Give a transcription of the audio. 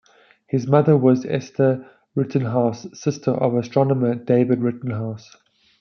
His mother was Esther Rittenhouse, sister of astronomer David Rittenhouse.